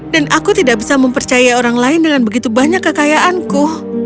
aku tidak bisa mempercaya orang lain dengan begitu banyak kekayaanku